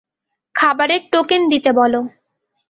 খাবারের টোকেন দিতে বলো।